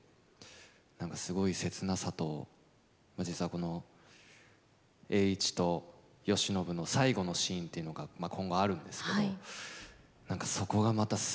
何かすごい切なさと実はこの栄一と慶喜の最後のシーンというのが今後あるんですけど何かそこがまたすごくいいんですよね。